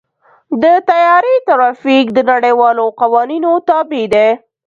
د طیارې ټرافیک د نړیوالو قوانینو تابع دی.